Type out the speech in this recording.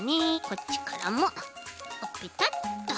こっちからもペタッと。